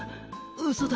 うそだ！」。